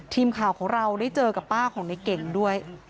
ทีมข่าวของเราได้เจอกับป้าของในเก่งด้วย